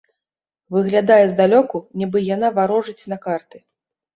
Выглядае здалёку, нібы яна варожыць на карты.